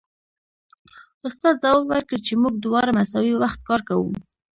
استاد ځواب ورکړ چې موږ دواړه مساوي وخت کار کوو